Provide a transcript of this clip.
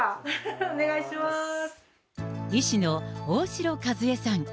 医師の大城和恵さん。